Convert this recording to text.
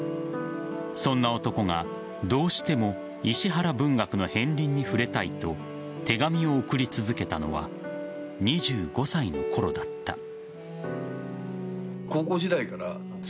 そんな男が、どうしても石原文学の片りんに触れたいと手紙を送り続けたのは２５歳の頃だった。